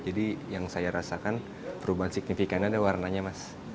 jadi yang saya rasakan perubahan signifikannya ada warnanya mas